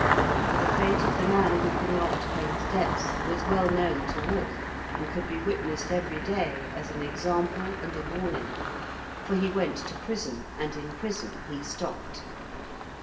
And the fate of the man who could not pay his debts was well known to all and could be witnessed every day, as an example and a warning. For he went to prison and in prison he stopped.